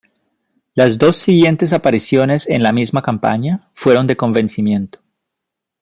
Las dos siguientes apariciones en la misma campaña fueron de convencimiento.